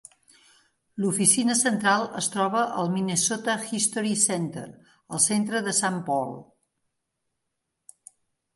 L'oficina central es troba al Minnesota History Center, al centre de Saint Paul.